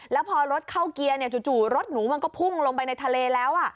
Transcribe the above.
แล้วพอรถเข้าเกียร์จู่รถหนูมันก็พุ่งลงไปในทะเลแล้ว